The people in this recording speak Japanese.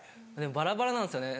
バラバラなんですよね